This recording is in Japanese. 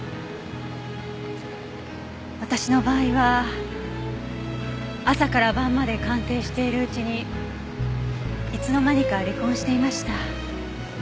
私の場合は朝から晩まで鑑定しているうちにいつの間にか離婚していました。